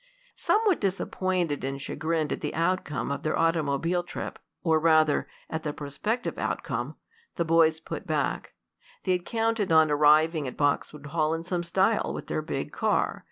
Somewhat disappointed and chagrined at the outcome of their automobile trip, or rather, at the prospective outcome, the boys put back. They had counted on arriving at Boxwood Hall in some "style" with their big car.